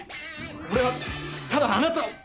俺はただあなたを。